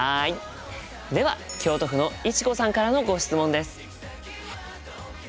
では京都府のいちこさんからのご質問です。